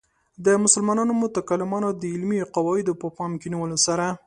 د مسلمانو متکلمانو د علمي قواعدو په پام کې نیولو سره.